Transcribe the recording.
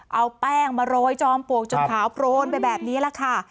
เอาแป้งมาโรยจอมปลวกจนขาวโปรนไปแบบนี้แหละค่ะ